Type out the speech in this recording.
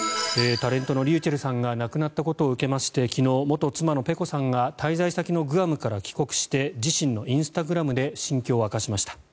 タレントのｒｙｕｃｈｅｌｌさんが亡くなったことを受けまして昨日、元妻のｐｅｃｏさんが滞在先のグアムから帰国して自身のインスタグラムで心境を明かしました。